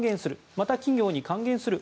また企業に還元する。